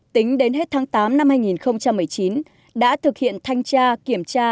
tính đến hết tháng tám năm hai nghìn một mươi chín đã thực hiện thanh tra kiểm tra